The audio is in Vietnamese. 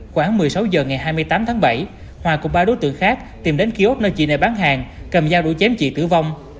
khoảng một mươi sáu h ngày hai mươi tám tháng bảy hòa cùng ba đối tượng khác tìm đến kiosk nơi chị này bán hàng cầm dao đuổi chém chị tử vong